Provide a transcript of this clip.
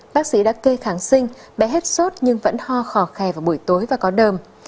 bác sĩ đã kê kháng sinh bé hết sốt nhưng vẫn ho khỏ khe vào buổi tối và có đơm